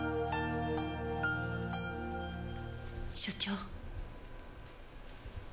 所長。